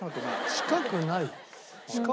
近くない。